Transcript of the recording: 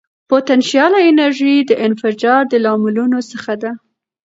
پوتنشیاله انرژي د انفجار د لاملونو څخه ده.